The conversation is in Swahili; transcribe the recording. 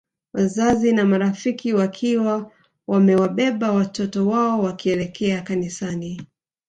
Wazazi na marafiki wakiwa wamewabeba watoto wao wakielekea Kanisani